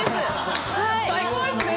最高ですね。